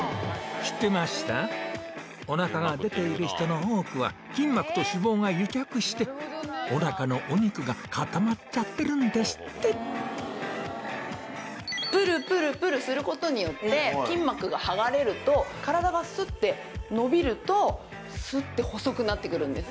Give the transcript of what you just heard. おなかが出ている人の多くは筋膜と脂肪が癒着しておなかのお肉が固まっちゃってるんですってぷるぷるぷるすることによって体がスッて伸びるとスッて細くなってくるんです